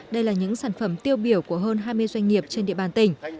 đây là những sản phẩm tiêu biểu của hơn hai mươi doanh nghiệp trên địa bàn tỉnh